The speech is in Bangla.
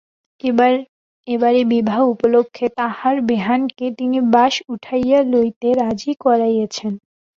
এবারে বিবাহ উপলক্ষে তাঁহার বেহানকে তিনি বাস উঠাইয়া লইতে রাজি করাইয়াছেন।